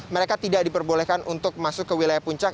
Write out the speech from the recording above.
mereka tidak diperbolehkan untuk masuk ke wilayah puncak